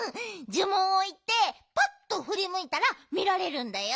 じゅもんをいってパッとふりむいたらみられるんだよ。